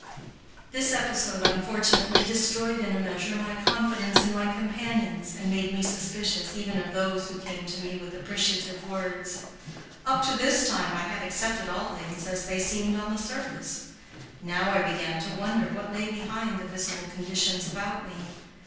This episode, unfortunately, destroyed in a measure my confidence in my companions and made me suspicious even of those who came to me with appreciative words. Up to this time I had accepted all things as they seemed on the surface. Now I began to wonder what lay behind the visible conditions about me.